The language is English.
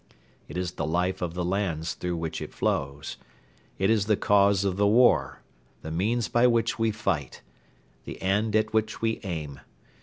It is the life of the lands through which it flows. It is the cause of the war: the means by which we fight; the end at which we aim.